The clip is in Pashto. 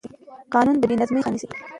قانون د بې نظمۍ مخه نیسي